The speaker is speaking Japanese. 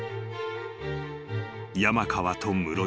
［山川と室井］